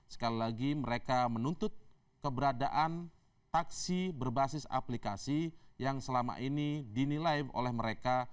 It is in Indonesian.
sekali lagi mereka menuntut keberadaan taksi berbasis aplikasi yang selama ini dinilai oleh mereka